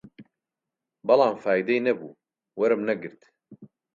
بەڵام فایدەی نەبوو، وەرم نەگرت